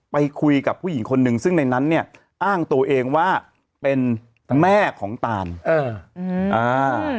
ไปคุยกับผู้หญิงคนหนึ่งซึ่งในนั้นเนี่ยอ้างตัวเองว่าเป็นแม่ของตานเอออืมอ่า